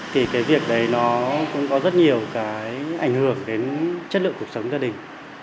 thì cái việc đấy nó cũng có rất nhiều cái ảnh hưởng đến chất lượng cuộc sống gia đình